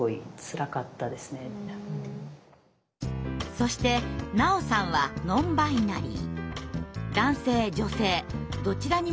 そして菜央さんはノンバイナリー。